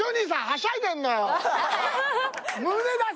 はしゃいでんのよ